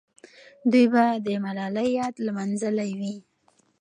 افغانانو به د ملالۍ یاد لمانځلی وي.